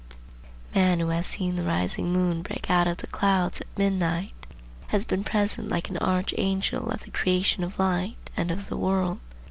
The man who has seen the rising moon break out of the clouds at midnight, has been present like an archangel at the creation of light and of the world.